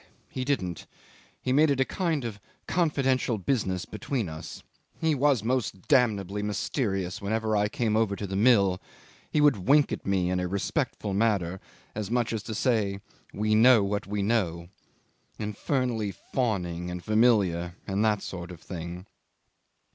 He didn't. He made it a kind of confidential business between us. He was most damnably mysterious whenever I came over to the mill; he would wink at me in a respectful manner as much as to say 'We know what we know.' Infernally fawning and familiar and that sort of thing